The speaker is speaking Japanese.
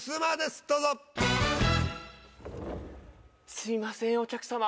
すいませんお客さま。